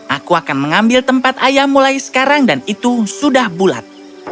aku akan mengambil tempat ayah mulai sekarang dan itu sudah bulat